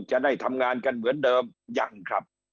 จะได้ทำงานกันเหมือนเดิมยังครับ